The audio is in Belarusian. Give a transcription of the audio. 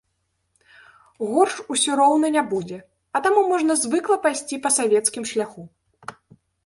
Горш усё роўна не будзе, а таму можна звыкла пайсці па савецкім шляху.